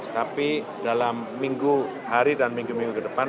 tapi dalam minggu hari dan minggu minggu ke depan